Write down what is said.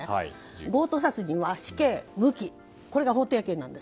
強盗殺人は死刑、無期これが法定刑なんです。